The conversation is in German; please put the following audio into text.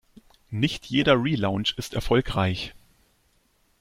Nicht jeder Relaunch ist erfolgreich.